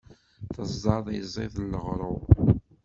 Teẓẓad iẓid n leɣrur.